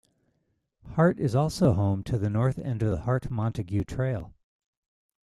Hart is also home to the north end of the Hart-Montague Trail.